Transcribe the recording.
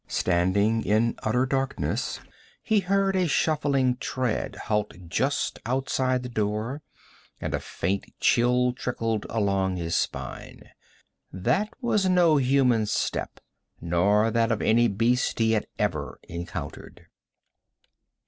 Standing in utter darkness, he heard a shuffling tread halt just outside the door, and a faint chill trickled along his spine. That was no human step, nor that of any beast he had ever encountered.